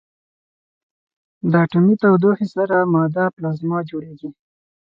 د اټومي تودوخې سره ماده پلازما جوړېږي.